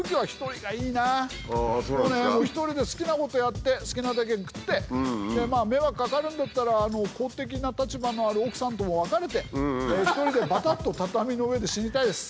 もうね一人で好きなことやって好きなだけ食って迷惑かかるんだったら公的な立場のある奥さんとも別れて一人でぱたっと畳の上で死にたいです。